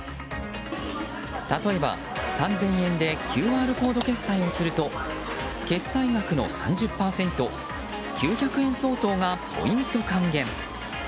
例えば３０００円でＱＲコード決済をすると決済額の３０％９００円相当がポイント還元。